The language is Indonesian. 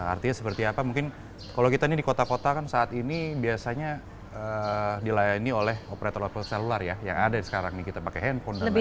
artinya seperti apa mungkin kalau kita nih di kota kota kan saat ini biasanya dilayani oleh operator operator selular ya yang ada sekarang nih kita pakai handphone dan lain lain